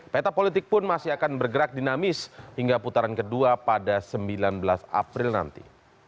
peta politik pun masih akan bergerak dinamis hingga putaran kedua pada sembilan belas april nanti